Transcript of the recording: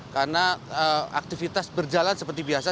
karena aktivitas berjalan seperti biasa